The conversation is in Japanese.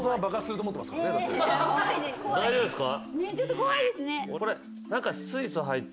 大丈夫ですか？